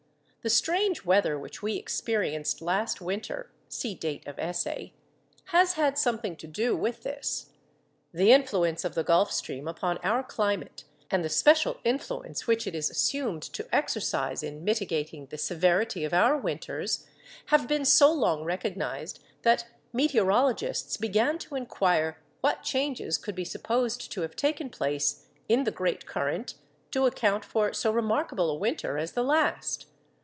The strange weather which we experienced last winter (see date of essay) has had something to do with this. The influence of the Gulf Stream upon our climate, and the special influence which it is assumed to exercise in mitigating the severity of our winters, have been so long recognised that meteorologists began to inquire what changes could be supposed to have taken place in the great current to account for so remarkable a winter as the last.